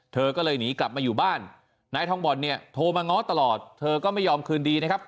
เธอก็เลยหนีกลับมาอยู่บ้านนายทองบ่อนเนี่ยโทรมาง้อตลอดเธอก็ไม่ยอมคืนดีนะครับ